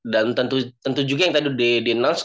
dan tentu juga yang tadi di announce